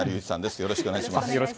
よろしくお願いします。